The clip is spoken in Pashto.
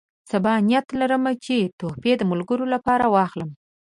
سبا نیت لرم چې تحفې د ملګرو لپاره واخلم.